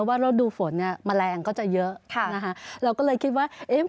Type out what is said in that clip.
ว่าฤดูฝนเนี่ยแมลงก็จะเยอะค่ะนะคะเราก็เลยคิดว่าเอ๊ะ